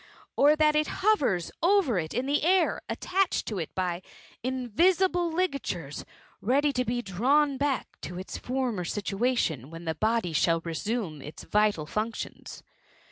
Or that it hov^a over it in air, attached to it by inTisible ligaturefi» ready to be drawn back to its former situation^ whcai tbfi» body flhall resume its vital functions?